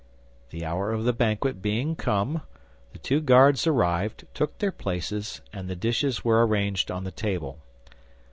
The hour of the banquet being come, the two guards arrived, took their places, and the dishes were arranged on the table.